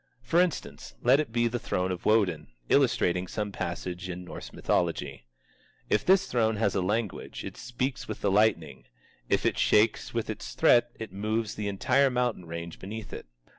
For instance, let it be the throne of Wodin, illustrating some passage in Norse mythology. If this throne has a language, it speaks with the lightning; if it shakes with its threat, it moves the entire mountain range beneath it.